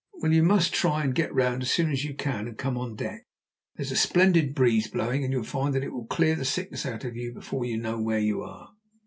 "Well, you must try and get round as soon as you can, and come on deck; there's a splendid breeze blowing, and you'll find that will clear the sickness out of you before you know where you are."